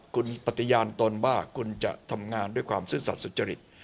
คุณปฏิญาณตนว่าคุณจะทำงานด้วยความซื่อสัตว์สุจริต